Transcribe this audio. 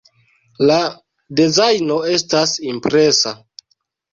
La dezajno estas impresa.